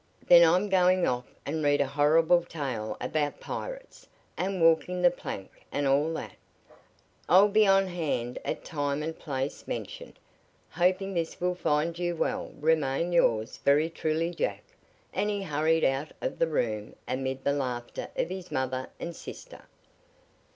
Then I'm going off and read a horrible tale about pirates, and walking the plank, and all that. I'll be on hand at the time and place mentioned. Hoping this will find you well, remain, yours very truly, Jack." And he hurried out of the room amid the laughter of his mother and sister.